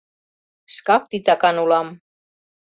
Шкак титакан улам.